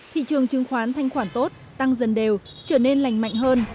thị trường chứng khoán thanh khoản tốt tăng dần đều trở nên lành mạnh hơn